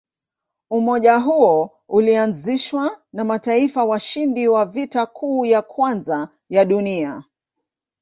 Umoja huo ulianzishwa na mataifa washindi wa Vita Kuu ya Kwanza ya Dunia.